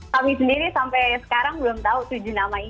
kami sendiri sampai sekarang belum tahu tujuh nama ini